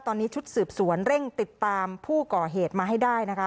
ตอนนี้ชุดสืบสวนเร่งติดตามผู้ก่อเหตุมาให้ได้นะคะ